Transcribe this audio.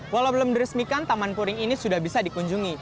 walau belum diresmikan taman puring ini sudah bisa dikunjungi